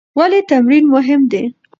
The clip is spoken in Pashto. ولې تمرین مهم دی؟